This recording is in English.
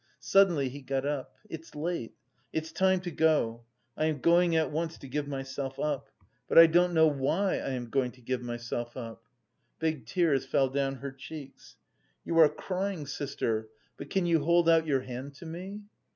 Suddenly he got up. "It's late, it's time to go! I am going at once to give myself up. But I don't know why I am going to give myself up." Big tears fell down her cheeks. "You are crying, sister, but can you hold out your hand to me?"